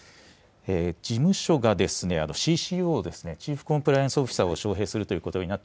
事務所がＣＣＯですね、チーフコンプライアンスオフィサーを招へいするということになっ